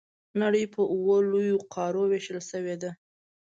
نړۍ په اووه لویو قارو وېشل شوې ده.